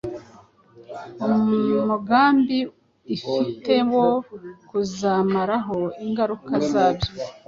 umugambi ifite wo kuzamaraho ingaruka zabyo!